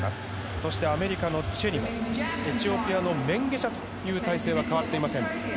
そしてアメリカのチェリモエチオピアのメンゲシャという態勢は変わっていません。